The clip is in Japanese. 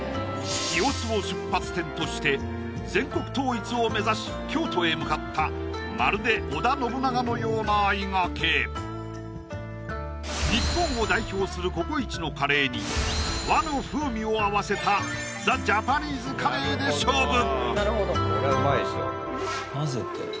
清須を出発点として全国統一を目指し京都へ向かったまるで織田信長のようなあいがけ日本を代表するＣｏＣｏ壱のカレーに和の風味を合わせたで勝負